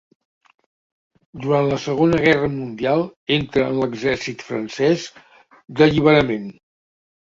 Durant la Segona Guerra mundial, entra en l'Exèrcit francès d'Alliberament.